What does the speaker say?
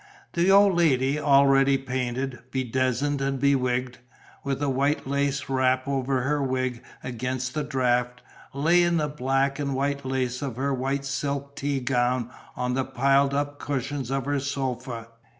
The old lady, already painted, bedizened and bewigged, with a white lace wrap over her wig against the draught, lay in the black and white lace of her white silk tea gown on the piled up cushions of her sofa.